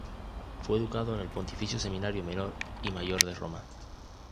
Fue educado en el Pontificio Seminario Menor y Mayor de Roma.